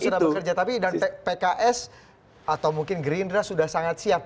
sistem sudah bekerja tapi pks atau mungkin green dry sudah sangat siap